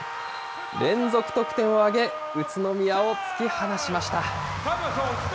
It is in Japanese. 連続得点を挙げ、宇都宮を突き放しました。